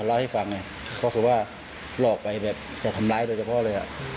เขาเล่าให้ฟังเนี้ยเขาคือว่าหลอกไปแบบจะทำร้ายโดยเฉพาะเลยอ่ะ